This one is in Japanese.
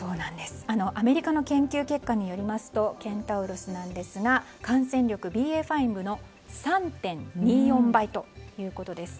アメリカの研究結果によりますとケンタウロスなんですが感染力、ＢＡ．５の３．２４倍ということです。